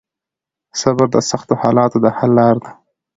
صبر د سختو حالاتو د حل لار ده.